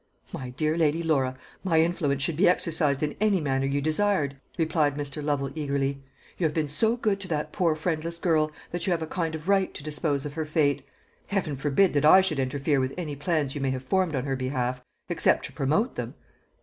"My dear Lady Laura, my influence should be exercised in any manner you desired," replied Mr. Lovel eagerly. "You have been so good to that poor friendless girl, that you have a kind of right to dispose of her fate. Heaven forbid that I should interfere with any plans you may have formed on her behalf, except to promote them."